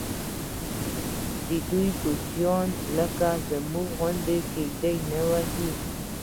ددوی کوچیان لکه زموږ غوندې کېږدۍ نه وهي.